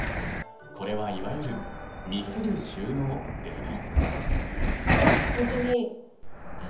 これはいわゆる「見せる収納」ですか？